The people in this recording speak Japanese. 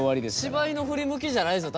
芝居の振り向きじゃないですよ